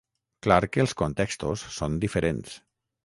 Clar que els contextos són diferents.